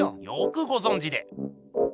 よくごぞんじで。